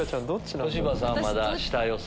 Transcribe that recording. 小芝さんまだ下予想？